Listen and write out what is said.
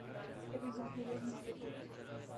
اس سے بھی جمہوریت مضبوط ہو گی۔